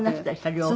両方。